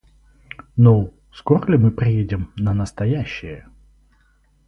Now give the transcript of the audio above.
Ну, скоро ли мы приедем на настоящее?